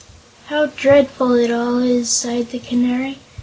"How dreadful it all is!" sighed the Canary.